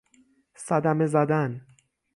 صدمه زدن